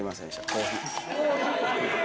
コーヒー。